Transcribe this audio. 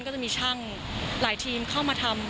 ก็จะมีช่างหลายทีมเข้ามาทำ